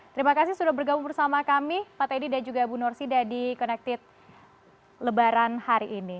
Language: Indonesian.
terima kasih sudah bergabung bersama kami pak teddy dan juga bu norsida di connected lebaran hari ini